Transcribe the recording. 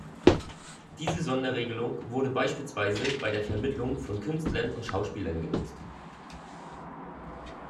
Diese Sonderregelung wurde beispielsweise bei der Vermittlung von Künstlern und Schauspielern genutzt.